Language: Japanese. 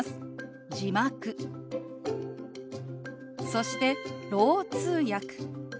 そして「ろう通訳」。